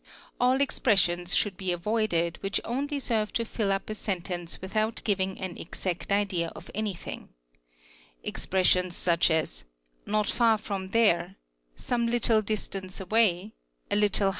All expressions should be avoided which only serve to fill "Up a sentence without giving an exact idea of anything. Expressions 99 66 ich as "not far from there, some little distance away," '"'a little Seles PORE GEN: C= 9 ME TIRES MSA.